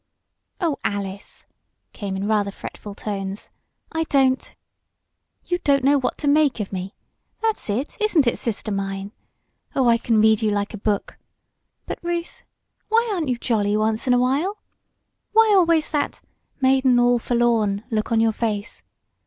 "Oh, Alice!" came in rather fretful tones. "I don't " "You don't know what to make of me? That's it; isn't it, sister mine? Oh, I can read you like a book. But, Ruth, why aren't you jolly once in a while? Why always that 'maiden all forlorn' look on your face?